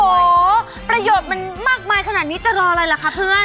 โอ้โหประโยชน์มันมากมายขนาดนี้จะรออะไรล่ะคะเพื่อน